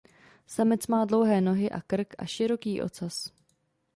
Samec má dlouhé nohy a krk a široký ocas.